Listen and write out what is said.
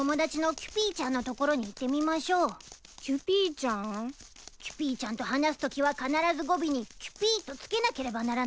キュピーちゃんと話すときは必ず語尾に「キュピー」と付けなければならないのでぃす。